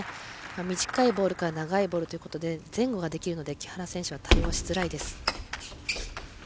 短いボールから長いボールということで前後ができるので木原選手は対応しづらいです。